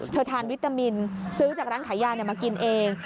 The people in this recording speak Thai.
ทานวิตามินซื้อจากร้านขายยามากินเอง